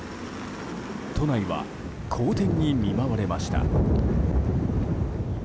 都内は荒天に見舞われました。